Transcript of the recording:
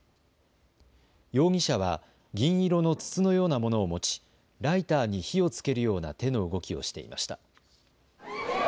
容疑者は銀色の筒のようなものを持ちライターに火をつけるような手の動きをしていました。